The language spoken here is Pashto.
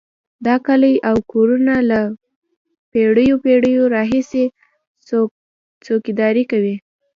دا کلي او کورونه له پېړیو پېړیو راهیسې څوکیداري کوي.